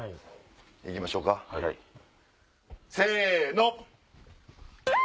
行きましょうかせの！